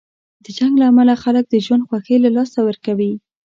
د جنګ له امله خلک د ژوند خوښۍ له لاسه ورکوي.